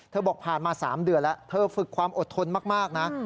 บอกผ่านมา๓เดือนแล้วเธอฝึกความอดทนมากนะ